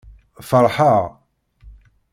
Feṛḥeɣ!